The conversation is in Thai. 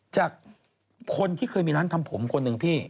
จากคนที่เคยมีร้านทำผมคนหนึ่งพี่